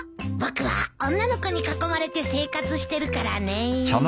僕は女の子に囲まれて生活してるからねぇ。